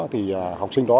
thì học sinh đó